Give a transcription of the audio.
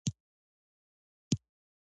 شجاع الدوله وایي احمدشاه به ډهلي ته ولاړ شي.